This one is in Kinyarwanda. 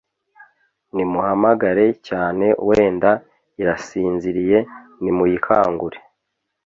nimuhamagare cyane wenda irasinziriye nimuyikangure